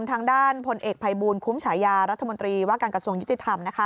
ทางด้านพลเอกภัยบูลคุ้มฉายารัฐมนตรีว่าการกระทรวงยุติธรรมนะคะ